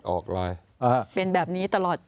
ออกไลน์เป็นแบบนี้ตลอด